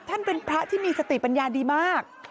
ท่านเป็นพระที่มีสติปัญญาดีมาก